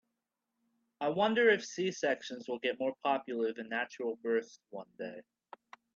I wonder if C-sections will get more popular than natural births one day.